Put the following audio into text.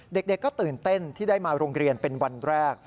เด็กก็ตื่นเต้นที่ได้มาโรงเรียนเป็นวันแรก